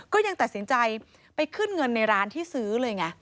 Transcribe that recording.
ก็ยังตัดสินใจไปขึ้นเงินในร้านที่ซื้อเลยไง